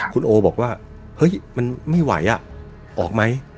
คุณโอบอกว่าเฮ้ยมันไม่ไหวออกไหม